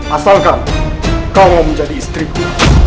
asalkan kau menjadi istriku